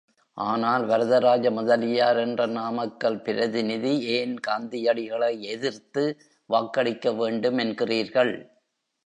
ஆனால், வரதராஜ முதலியார் என்ற நாமக்கல் பிரதிநிதி, ஏன் காந்தியடிகளை எதிர்த்து வாக்களிக்க வேண்டும் என்கிறீர்கள்?